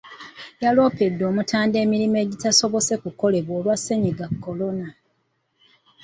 Yaloopedde Omutanda emirimu egitaasobose kukolebwa olwa Ssennyiga "Corona".